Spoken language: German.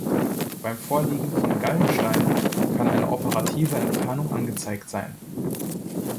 Beim Vorliegen von Gallensteinen kann eine operative Entfernung angezeigt sein.